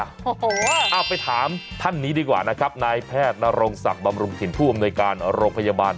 โอ้โหเอาไปถามท่านนี้ดีกว่านะครับนายแพทย์นรงศักดิ์บำรุงถิ่นผู้อำนวยการโรงพยาบาล